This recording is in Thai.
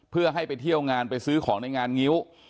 เพื่อให้ไปเที่ยวงานไปซื้อของในงานงิ้ว